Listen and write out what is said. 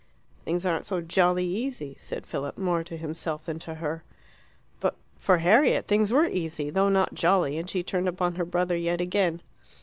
"Things aren't so jolly easy," said Philip, more to himself than to her. But for Harriet things were easy, though not jolly, and she turned upon her brother yet again.